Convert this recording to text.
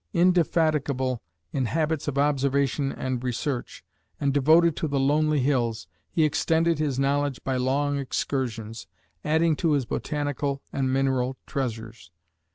Indefatigable in habits of observation and research, and devoted to the lonely hills, he extended his knowledge by long excursions, adding to his botanical and mineral treasures.